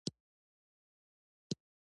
که موږ غواړو پښتانه